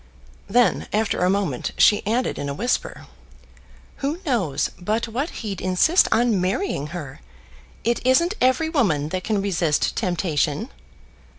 Then, after a moment, she added in a whisper, "Who knows but what he'd insist on marrying her! It isn't every woman that can resist temptation."